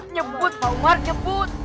nyebut pak umar nyebut